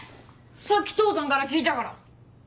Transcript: さっき父さんから聞いたから。